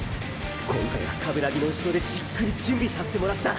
今回は鏑木の後ろでじっくり準備させてもらった！